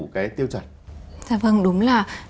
cái tiêu chuẩn dạ vâng đúng là